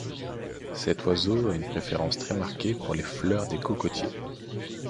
Cet oiseau a une préférence très marquée pour les fleurs des cocotiers.